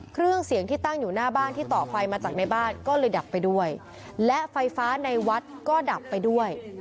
เครื่องเสียงที่ตั้งอยู่หน้าบ้านที่ต่อไฟมาจากในบ้านก็เลยดับไปด้วยและไฟฟ้าในวัดก็ดับไปด้วย